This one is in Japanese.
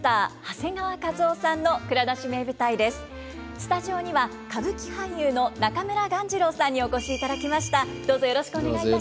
スタジオには歌舞伎俳優の中村鴈治郎さんにお越しいただきました。